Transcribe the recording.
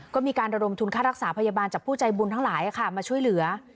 ก็มีการระดมทุนค่ารักษาพยาบาลจากผู้ใจบุญทั้งหลายมาช่วยเหลือ